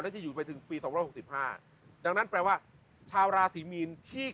จะอยู่ไปถึงปีสองร้อยหกสิบห้าดังนั้นแปลว่าชาวราศีมีนที่